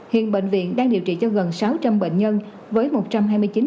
hiện bệnh viện đang điều trị cho gần sáu trăm linh bệnh nhân với một trăm hai mươi chín bệnh nhân